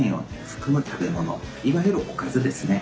いわゆるおかずですね。